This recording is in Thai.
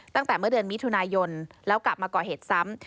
ตั้งแต่เมื่อเดือนมิถุนายนแล้วกลับมาก่อเหตุซ้ำ